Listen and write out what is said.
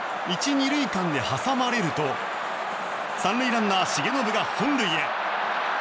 １、２塁間で挟まれると３塁ランナー、重信が本塁へ。